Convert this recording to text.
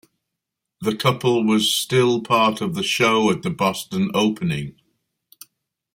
The couple was still part of the show at the Boston opening.